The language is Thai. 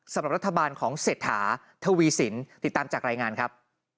สำหรับรัฐบาลของเศรษฐาทวีสินติดตามจากรายงานครับ